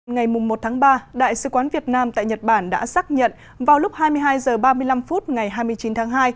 ngày một tháng ba đại sứ quán việt nam tại nhật bản đã xác nhận vào lúc hai mươi hai h ba mươi năm ngày hai mươi chín tháng hai